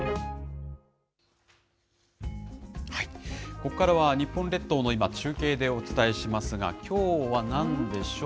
ここからは日本列島の今、中継でお伝えしますが、きょうはなんでしょう。